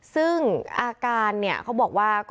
ซึ่งอาการเนี่ยเขาบอกว่า